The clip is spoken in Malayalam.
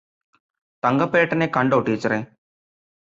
തങ്കപ്പേട്ടനെ കണ്ടോ ടീച്ചറെ